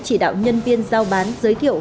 chỉ đạo nhân viên giao bán giới thiệu